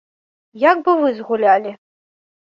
Як бы вы згулялі?